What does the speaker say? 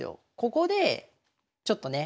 ここでちょっとね